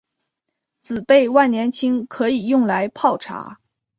紫背万年青可以用来泡茶。